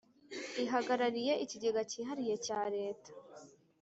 ihagarariye Ikigega Cyihariye cya leta